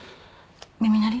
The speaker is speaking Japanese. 耳鳴り？